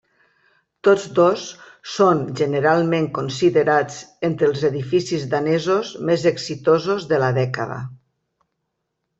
Tots dos són generalment considerats entre els edificis danesos més exitosos de la dècada.